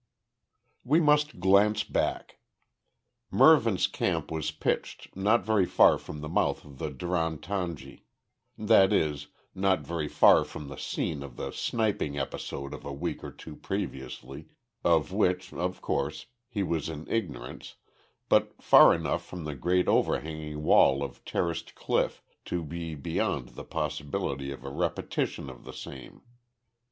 We must glance back. Mervyn's camp was pitched not very far from the mouth of the Duran Tangi; that is, not very far from the scene of the sniping episode of a week or two previously, of which, of course, he was in ignorance, but far enough from the great overhanging wall of terraced cliff, to be beyond the possibility of a repetition of the same.